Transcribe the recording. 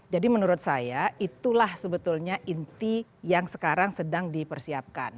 jadi menurut saya itulah sebetulnya inti yang sekarang sedang dipersiapkan